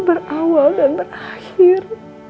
berawal dan berakhir